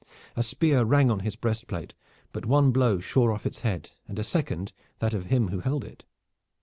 A spear rang on his breastplate, but one blow shore off its head, and a second that of him who held it.